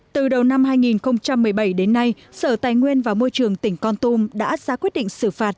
từ đầu năm hai nghìn một mươi bảy đến nay sở tài nguyên và môi trường tỉnh con tum đã ra quyết định xử phạt